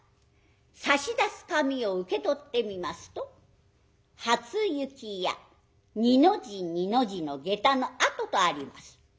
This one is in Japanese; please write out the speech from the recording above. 差し出す紙を受け取ってみますと「初雪や二の字二の字の下駄の跡」とあります。